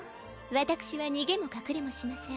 私は逃げも隠れもしません